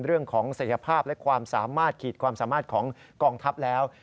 ศักยภาพและความสามารถขีดความสามารถของกองทัพแล้ว